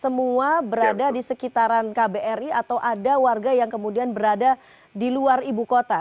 semua berada di sekitaran kbri atau ada warga yang kemudian berada di luar ibu kota